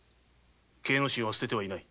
圭之進は捨ててはいない。